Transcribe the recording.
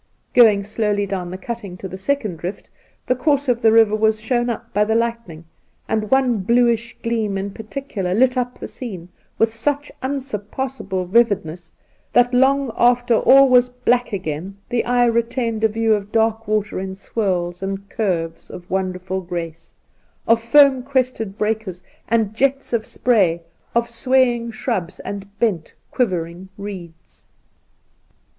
Going slowly down the cutting to the Second Drift, the course of the river was shown up by the lightning, and one bluish gleam in particular lit up the scene with such unsurpassable vividness that long after all was black again the eye retained a view of dark water in swirls and curves of wonderful grace, of foam crested breakers and jets Induna Nairn 1 1 1 of spray, of swaying shrubs and bent, quivering reeds.